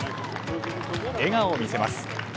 笑顔を見せます。